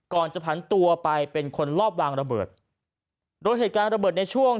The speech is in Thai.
ก่อนจะผันตัวไปเป็นคนลอบวางระเบิดโดยเหตุการณ์ระเบิดในช่วง